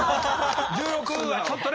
１６はちょっとね。